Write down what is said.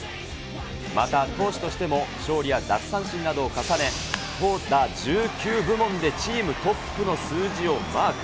また、投手としても勝利や奪三振などを重ね、投打１９部門でチームトップの数字をマーク。